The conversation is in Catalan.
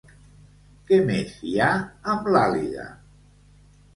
Què més hi ha amb l'Àliga?